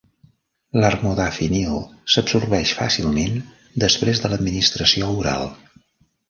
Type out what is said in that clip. L'armodafinil s'absorbeix fàcilment després de l'administració oral.